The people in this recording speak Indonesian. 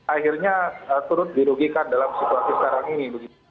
akhirnya turut dirugikan dalam situasi sekarang ini